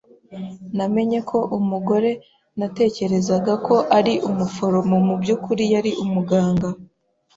Namenye ko umugore natekerezaga ko ari umuforomo mubyukuri yari umuganga.